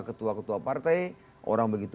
ketua ketua partai orang begitu